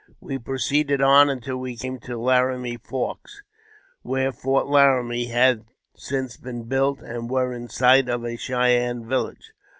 We proceeded on until we came to Laramie Forks, where Fort Laramie has since been built, and were in sight of a Cheyenne village.